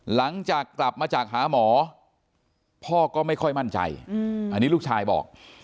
หลังจากกลับมาจากหาหมอพ่อก็ไม่ค่อยมั่นใจอันนี้ลูกชายบอก